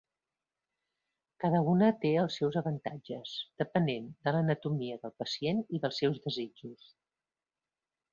Cada una té els seus avantatges, depenent de l'anatomia del pacient i dels seus desitjos.